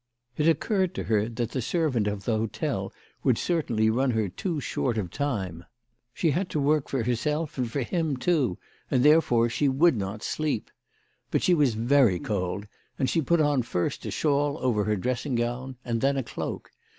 It occurred to her that the servant of the hotel would certainly run her too short 228 CHRISTMAS AT THOMPSON HALL. of time. She had to work for herself and for him too, and therefore she would not sleep. But she was very cold, and she put on first a shawl over her dressing gown and then a cloak.